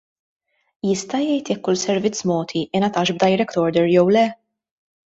Jista' jgħid jekk kull servizz mogħti, ingħatax b'direct order jew le?